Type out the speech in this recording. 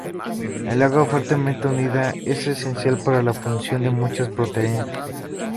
El agua fuertemente unida es esencial para la función de muchas proteínas.